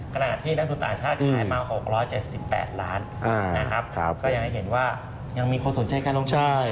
ก็คือน้ำทุนสถาบันนะครับ